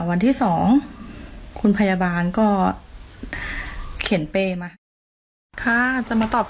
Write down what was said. วันที่สองคุณพยาบาลก็เขียนเป้มาค่ะจะมาตอบ